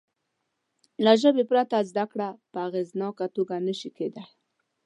له ژبې پرته زده کړه په اغېزناکه توګه نه شي کېدای.